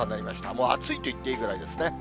もう暑いと言っていいぐらいですね。